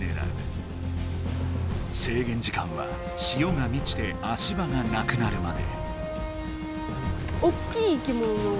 せいげん時間は潮がみちて足場がなくなるまで。